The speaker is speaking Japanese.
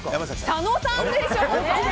佐野さんでしょ！